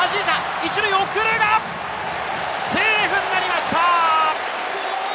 １塁へ送るが、セーフになりました！